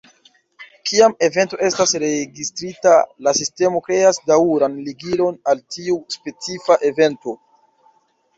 Kiam evento estas registrita, la sistemo kreas daŭran ligilon al tiu specifa evento.